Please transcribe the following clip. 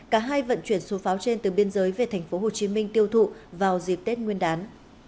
cả hai vận chuyển số pháo trên từ biên giới về tp hcm tiêu thụ vào dịp tết nguyên đán